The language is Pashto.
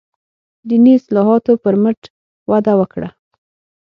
دیني اصلاحاتو پر مټ وده وکړه.